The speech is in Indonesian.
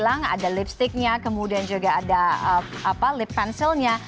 ada lipsticknya kemudian juga ada lip pencilnya